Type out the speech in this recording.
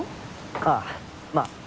ああまあ。